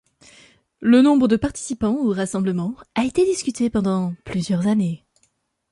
Le nombre de participants au rassemblement a été discuté pendant plusieurs années.